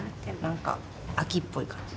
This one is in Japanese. なんか秋っぽい感じ。